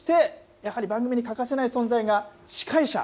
そしてやはり番組に欠かせない存在が司会者。